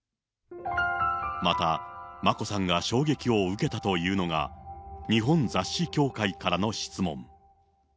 また、眞子さんが衝撃を受けたというのが、日本雑誌協会からの質問。